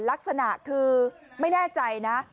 ลักษณะคือไม่แน่ใจนะ